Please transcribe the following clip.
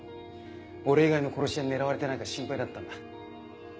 俺以外の殺し屋に狙われてないか心配だったんだ。